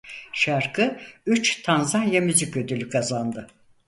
Şarkı üç Tanzanya Müzik Ödülü kazandı.